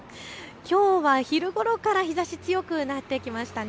きょうは昼ごろから日ざしが強くなってきました。